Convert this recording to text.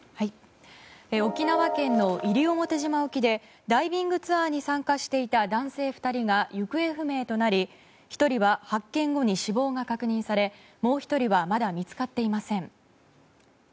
沖縄県の西表島沖でダイビングツアーに参加していた男性２人が行方不明となり１人は発見後に死亡が確認されもう１人はまだ見つかっていません。